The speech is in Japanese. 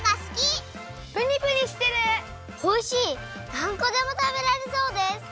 なんこでもたべられそうです！